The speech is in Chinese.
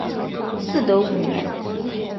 嗣德五年。